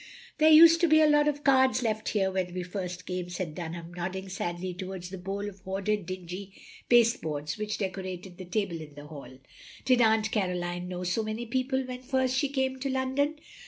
" There used to be a lot of cards left here, when we first came," said Dunham, nodding sadly towards the bowl of hoarded dingy pasteboards which decorated the table in the hall. "Did Aunt Caroline know so many people when first she came to London?"